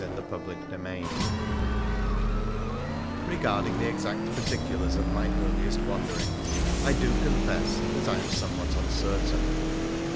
CHAPTER I Regarding {he exact particulars of my earliest wanderings, I do confess I am somewhat uncertain.